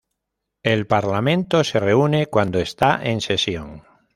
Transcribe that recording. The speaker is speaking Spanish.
El parlamento se reúne cuando está en sesión.